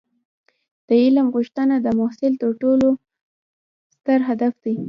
د علم غوښتنه د محصل تر ټولو ستر هدف دی.